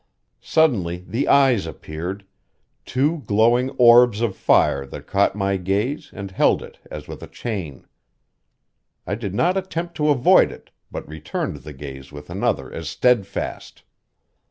Suddenly the eyes appeared two glowing orbs of fire that caught my gaze and held it as with a chain. I did not attempt to avoid it, but returned the gaze with another as steadfast.